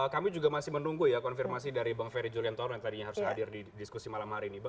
kami juga masih menunggu ya konfirmasi dari bang ferry juliantoro yang tadinya harus hadir di diskusi malam hari ini